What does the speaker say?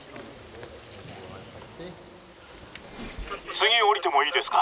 「次降りてもいいですか？」。